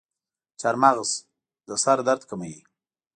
چارمغز د سر درد کموي.